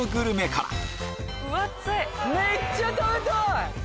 めっちゃ食べたい！